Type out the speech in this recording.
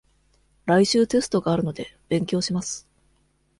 来週テストがあるので、勉強します。